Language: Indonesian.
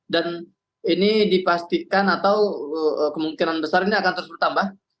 dan ini dipastikan atau kemungkinan besar ini akan terus bertambah